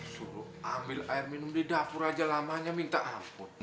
suruh ambil air minum di dapur aja lamanya minta ampun